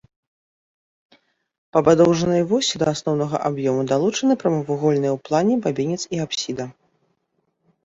Па падоўжанай восі да асноўнага аб'ёму далучаны прамавугольныя ў плане бабінец і апсіда.